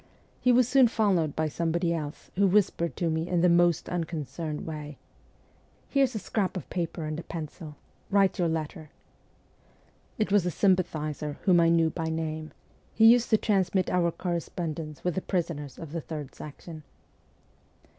He was soon followed by somebody else, who whispered to me in the most unconcerned way, 'Here's a scrap of paper and a pencil : write your letter.' It was a sympathizer, whom I knew by name ; he used to transmit our correspondence with the prisoners of the Third Section.